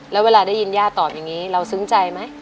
แล้วเวลาได้ยินย่าตอบอย่างนี้เราซึ้งใจไหม